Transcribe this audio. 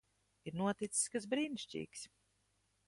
Ir noticis kas brīnišķīgs.